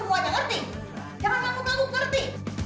kamu samplah semuanya ngerti